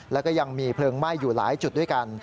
แล้วก็ยังมีเพลิงไหม้อยู่หลายจุดด้วยกัน